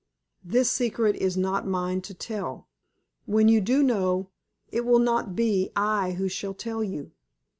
This secret is not mine to tell. When you do know, it will not be I who shall tell you.